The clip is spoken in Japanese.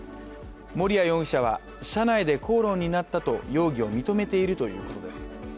森谷容疑者は車内で口論になったと容疑を認めているということです。